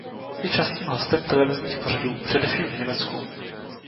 Je častým hostem televizních pořadů především v Německu.